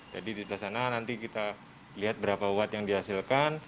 di sebelah sana nanti kita lihat berapa wat yang dihasilkan